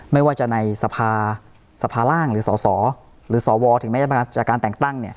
ไม่ว่าจะในสภาล่างหรือสอสอหรือสอวอถึงไม่จากการแต่งตั้ง